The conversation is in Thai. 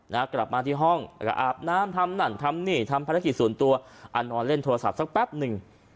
กลับมาที่ห้องแล้วก็อาบน้ำทำนั่นทำนี่ทำภารกิจส่วนตัวอ่านอนเล่นโทรศัพท์สักแป๊บหนึ่ง